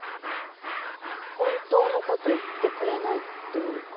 本当のこと言ってくれないっていうか。